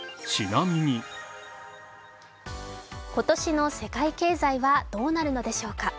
今年の世界経済はどうなるのでしょうか？